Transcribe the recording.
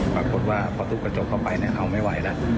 ปรากฏว่าพอทุบกระจกเข้าไปเอาไม่ไหวแล้ว